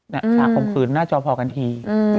สามคมคืนหน้าจอพอการที